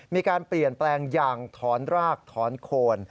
มีการเปลี่ยนแปลงอย่างถอนรากถอนโคน